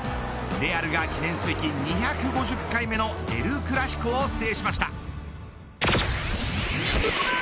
レアルが記念すべき２５０回目のエル・クラシコを制しました。